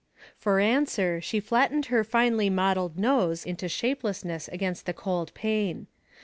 For answer, she flattened her finely modeled nose into shapelessness against the cold pane.